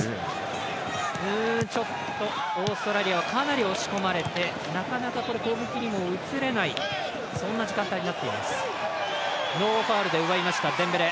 オーストラリアはかなり押し込まれてなかなか攻撃にも移れないそんな時間帯になっています。